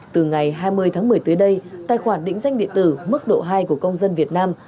từ ngày hai mươi tháng một mươi tới đây tài khoản định danh điện tử mức độ hai của công dân việt nam